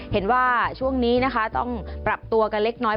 เห็นว่าช่วงนี้นะคะต้องปรับตัวกันเล็กน้อย